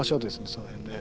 その辺ね。